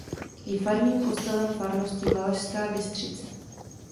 Je farním kostelem farnosti Valašská Bystřice.